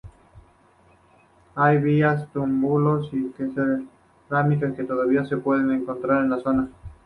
Hay vías, túmulos y cerámicas que todavía se pueden encontrar en la zona.